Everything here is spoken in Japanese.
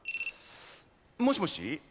もしもし？